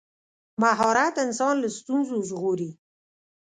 مهارت انسان له ستونزو ژغوري.